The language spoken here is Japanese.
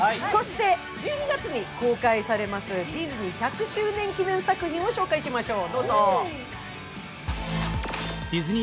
そして１２月に公開されるディズニー１００周年記念作品を紹介しましょう。